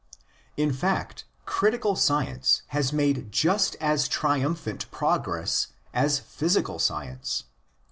In fact, critical science has made just as triumphant progress as physical science.